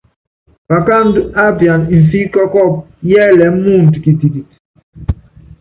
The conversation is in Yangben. Pakáandú á piana mfí kɔ́kɔ́ɔ́pú yɛ́lɛɛ́ muundɔ kitikiti.